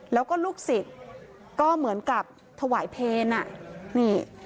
แล้วก็ลูกศิษย์ก็เหมือนกับถวายเพลอ่ะนี่